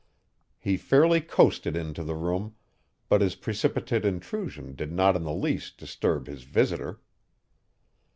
He fairly coasted into the room, but his precipitate intrusion did not in the least disturb his visitor.